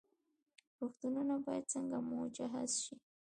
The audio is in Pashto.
روغتونونه باید څنګه مجهز شي؟